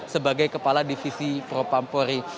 sebagai kepala divisi propampori